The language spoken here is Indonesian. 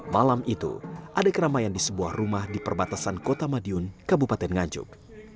malam itu ada keramaian di sebuah rumah di perbatasan kota madiun kabupaten nganjuk